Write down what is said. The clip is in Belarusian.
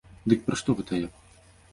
Дык пра што гэта я?